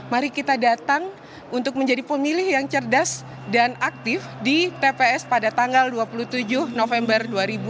mari kita datang untuk menjadi pemilih yang cerdas dan aktif di tps pada tanggal dua puluh tujuh november dua ribu dua puluh